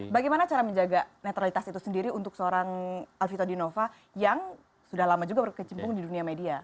bagaimana cara menjaga netralitas itu sendiri untuk seorang alvito dinova yang sudah lama juga berkecimpung di dunia media